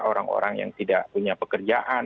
orang orang yang tidak punya pekerjaan